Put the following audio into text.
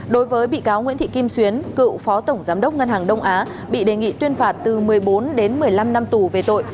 đối với bị cáo nguyễn thị kim xuyến cựu phó tổng giám đốc ngân hàng đông á bị đề nghị tuyên phạt từ một mươi bốn đến một mươi năm năm tù về tội